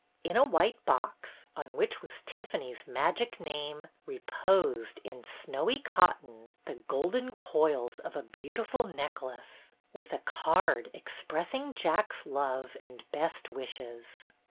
In a white box, on which was Tiffany's magic name, reposed, in snowy cotton, the golden coils of a beautiful neck lace, with a card expressing Jack's love and best wishes